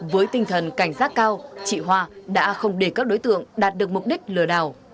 với tinh thần cảnh giác cao chị hoa đã không để các đối tượng đạt được mục đích lừa đảo